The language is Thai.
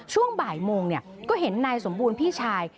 ช่วงบ่ายโมงก็เห็นนายสมบูรณ์พี่ชาย